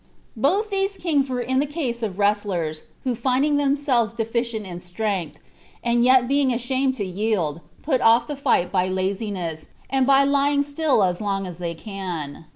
Both those kings were in the case of wrestlers, who finding themselves deficient in strength, and yet being ashamed to yield, put off the fight by laziness, and by lying still as long as they can.